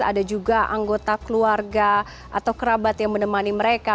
ada juga anggota keluarga atau kerabat yang menemani mereka